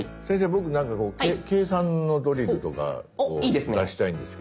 僕なんかこう計算のドリルとかを出したいんですけど。